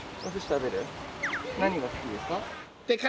何が好きですか？